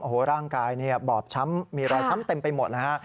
โอ้โหร่างกายบอบช้ำมีรอยช้ำเต็มไปหมดนะฮะ